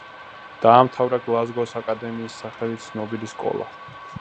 დაამთავრა „გლაზგოს აკადემიის“ სახელით ცნობილი სკოლა.